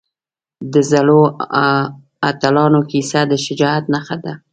د زړورو اتلانو کیسه د شجاعت نښه ده.